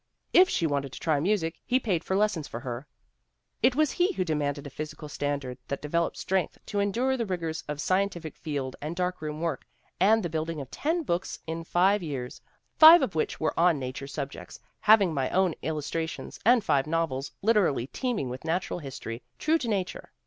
If she wanted to try music he paid for lessons for her. " 'It was he who demanded a physical standard that de veloped strength to endure the rigors of scientific field and darkroom work, and the building of ten books in five years, five of which were on nature subjects, hav ing my own illustrations, and five novels, literally teeming with natural history, true to nature.